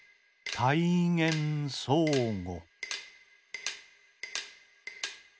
「たいげんそうご」。